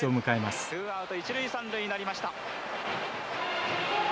ツーアウト一塁三塁になりました。